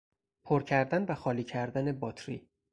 پر کردن و خالی کردن باطری